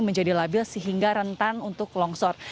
menjadi labil sehingga rentan untuk longsor